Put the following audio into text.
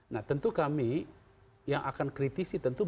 nah tentu kami yang akan kritisi tentu